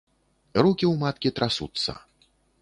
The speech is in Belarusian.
Рукі ў маткі трасуцца.